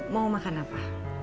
mau makan apa